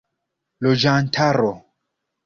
loĝantaro